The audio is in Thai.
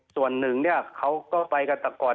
ส่วนหนึ่งเนี่ยเขาก็ไปกันแต่ก่อน